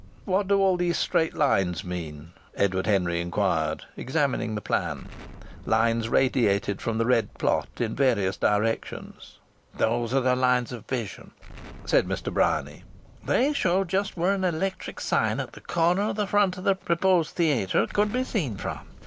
"What do all these straight lines mean?" Edward Henry inquired, examining the plan. Lines radiated from the red plot in various directions. "Those are the lines of vision," said Mr. Bryany. "They show just where an electric sign at the corner of the front of the proposed theatre could be seen from.